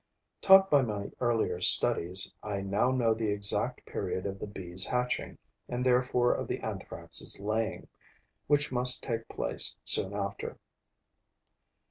Taught by my earlier studies, I now know the exact period of the Bee's hatching and therefore of the Anthrax' laying, which must take place soon after.